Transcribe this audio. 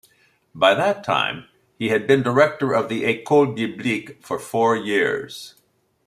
By that time he had been director of the Ecole Biblique for four years.